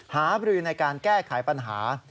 บรือในการแก้ไขปัญหา